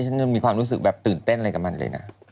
ฉันยังมีความรู้สึกแบบตื่นเต้นอะไรกับมันเลยนะ